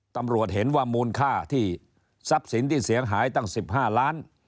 ตำรวจเห็นว่ามูลค่าที่ทรัพย์สินที่เสียหายตั้ง๑๕ล้าน